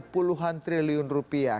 puluhan triliun rupiah